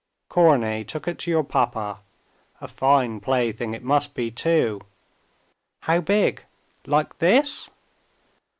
"Korney took it to your papa. A fine plaything it must be too!" "How big? Like this?"